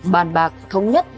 bàn bạc thống nhất